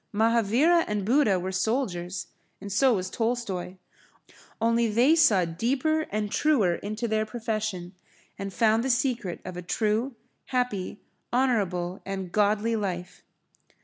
Mahavira and Buddha were soldiers, and so was Tolstoy. Only they saw deeper and truer into their profession, and found the secret of a true, happy, honourable and godly life.